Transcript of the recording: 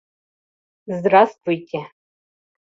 Здравствуйте!